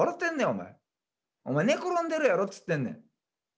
お前寝転んでるやろっつってんねん。